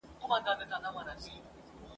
بیا به نه کوم له سپي شکایتونه ..